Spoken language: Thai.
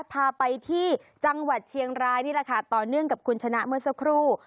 พาไปที่จังหวัดเชียงรายนี่แหละค่ะต่อเนื่องกับคุณชนะเมื่อสักครู่